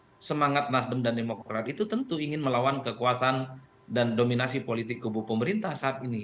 karena semangat nasdem dan demokrat itu tentu ingin melawan kekuasaan dan dominasi politik kebupu pemerintah saat ini